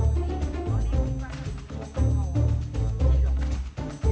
เพื่อนรับทราบ